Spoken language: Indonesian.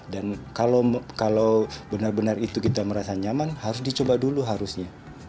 dan kalau benar benar itu kita merasa nyaman harus dicoba dulu harusnya